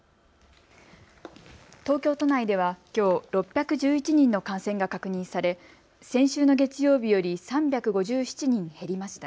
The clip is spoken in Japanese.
東京都内では、きょう６１１人の感染が確認され先週の月曜日より３５７人減りました。